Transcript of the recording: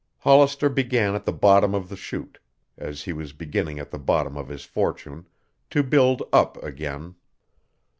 Hollister began at the bottom of the chute, as he was beginning at the bottom of his fortune, to build up again.